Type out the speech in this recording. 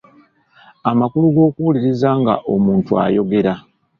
Amakulu g’okuwuliriza nga omuntu ayogera.